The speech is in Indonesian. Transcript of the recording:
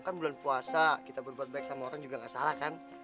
kan bulan puasa kita berbuat baik sama orang juga nggak salah kan